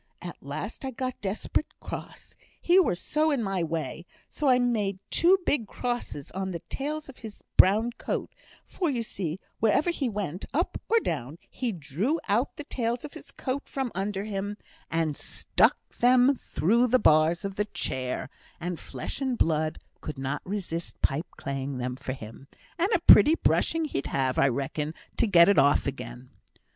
At last I got desperate cross, he were so in my way; so I made two big crosses on the tails of his brown coat; for you see, whenever he went, up or down, he drew out the tails of his coat from under him, and stuck them through the bars of the chair; and flesh and blood could not resist pipeclaying them for him; and a pretty brushing he'd have, I reckon, to get it off again.